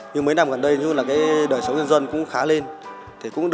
nhưng mấy năm gần đây đời sống dân dân cũng khá lên